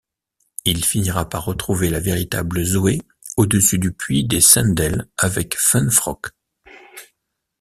Il finira par retrouver la véritable Zoé au-dessus du puits des Sendell avec FunFrock.